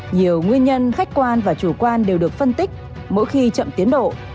nhiều nguyên nhân khách quan và chủ quan đều được phân tích mỗi khi chậm tiến độ